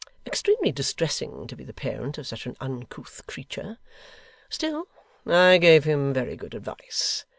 Extremely distressing to be the parent of such an uncouth creature! Still, I gave him very good advice.